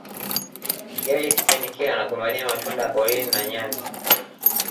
Yeye kipindi kile anagombania matunda ya porini na nyani